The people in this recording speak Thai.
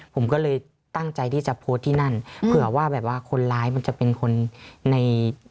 ผมก็เลยตั้งใจที่จะโพสต์ที่นั่นเผื่อว่าแบบว่าคนร้ายมันจะเป็นคนใน